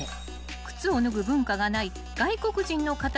［靴を脱ぐ文化がない外国人の方にもぴったり］